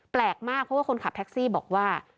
แปลกมากเพราะว่าคนขับแท็กซี่บอกว่า